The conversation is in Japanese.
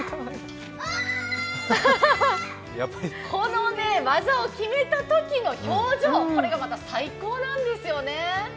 この技を決めたときの表情、これがまた最高なんですよね。